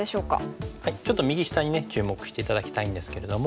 ちょっと右下に注目して頂きたいんですけれども。